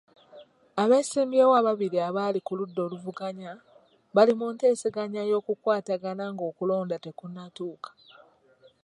Abeesimbyewo ababiri abali ku ludda oluvuganya bali mu nteesaganya y'okukwatagana nga okulonda tekunatuuka.